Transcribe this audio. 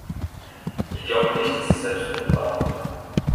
Ich glaube nicht, dass es Selbstmord war.